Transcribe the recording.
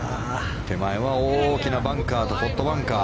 手前には大きなバンカーとポットバンカー。